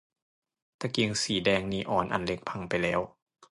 ตะเกียงสีแดงนีออนอันเล็กพังไปแล้ว